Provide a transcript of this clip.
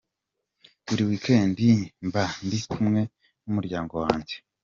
Buri week end mba ndi kumwe n’ umuryango wanjye.